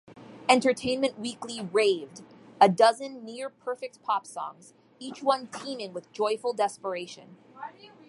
"Entertainment Weekly" raved, "A dozen near-perfect pop songs, each one teeming with joyful desperation".